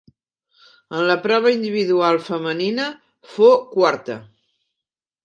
En la prova individual femenina fou quarta.